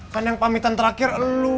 kan yang pamitan terakhir lu